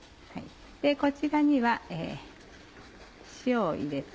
こちらには塩を入れて。